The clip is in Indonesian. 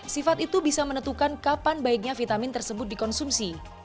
sifat itu bisa menentukan kapan baiknya vitamin tersebut dikonsumsi